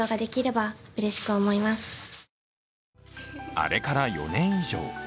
あれから４年以上。